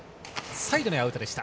サイドにアウトでした。